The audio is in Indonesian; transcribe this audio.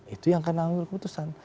itu yang akan mengambil keputusan